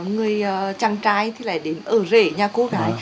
người chàng trai thì lại đến ở rể nhà cô gái